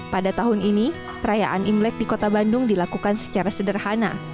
pada tahun ini perayaan imlek di kota bandung dilakukan secara sederhana